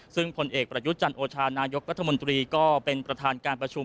ซึ่งผลเอกประยุทธ์จันโอชานายกรัฐมนตรีก็เป็นประธานการประชุม